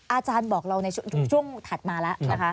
อาจารย์บอกเราในช่วงถัดมาแล้วนะคะ